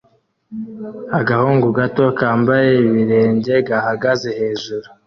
Agahungu gato kambaye ibirenge gahagaze hejuru